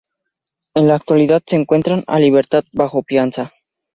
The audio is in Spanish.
En la actualidad se encuentra en libertad bajo fianza.